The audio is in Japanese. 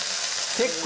結構！